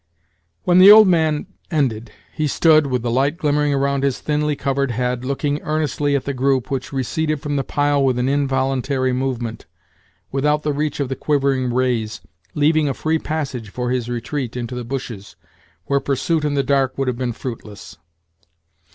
When the old man ended he stood, with the light glimmering around his thinly covered head, looking earnestly at the group, which receded from the pile with an involuntary movement, without the reach of the quivering rays, leaving a free passage for his retreat into the bushes, where pursuit in the dark would have been fruit less.